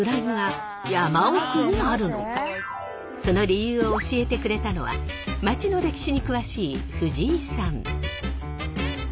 その理由を教えてくれたのは町の歴史に詳しい藤井さん。